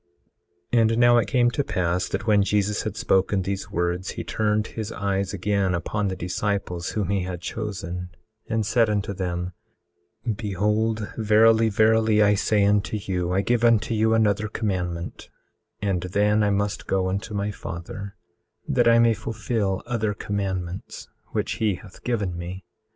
18:26 And now it came to pass that when Jesus had spoken these words, he turned his eyes again upon the disciples whom he had chosen, and said unto them: 18:27 Behold verily, verily, I say unto you, I give unto you another commandment, and then I must go unto my Father that I may fulfil other commandments which he hath given me.